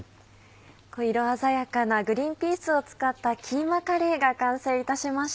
色鮮やかなグリンピースを使ったキーマカレーが完成いたしました。